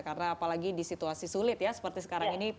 karena apalagi di situasi sulit ya seperti sekarang ini